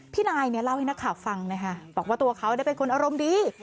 พี่นายเนี่ยเล่าให้นักข่าวฟังนะคะบอกว่าตัวเขาเป็นคนอารมณ์ดี